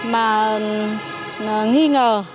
mà nghi ngờ